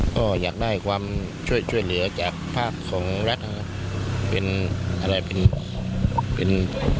ก็อยากได้ความช่วยเหลือจากภาคของรัฐเป็นอะไรเป็นเป็น